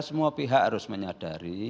semua pihak harus menyadari